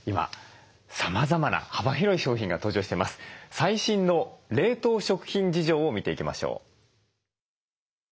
最新の冷凍食品事情を見ていきましょう。